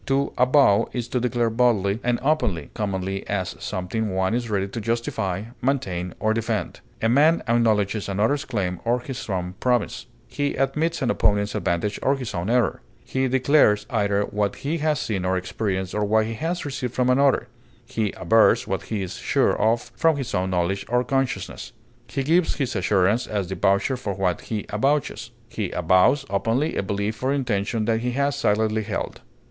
To avow is to declare boldly and openly, commonly as something one is ready to justify, maintain, or defend. A man acknowledges another's claim or his own promise; he admits an opponent's advantage or his own error; he declares either what he has seen or experienced or what he has received from another; he avers what he is sure of from his own knowledge or consciousness; he gives his assurance as the voucher for what he avouches; he avows openly a belief or intention that he has silently held.